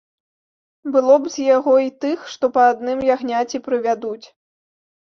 Было б з яго й тых, што па адным ягняці прывядуць.